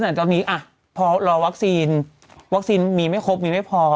สำหรับตอนนี้พอรอวัคซีนวัคซีนมีไม่ครบมีไม่พอ